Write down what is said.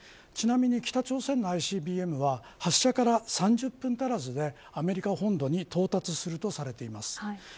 ちなみに北朝鮮のＩＣＢＭは発射から３０分足らずでアメリカ本土に到達するとされています。